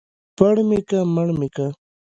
ـ پړ مى که مړ مى که.